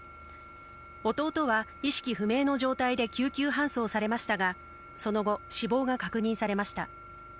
弟は意識不明の状態で救急搬送されましたが、その後、死亡が確認されました。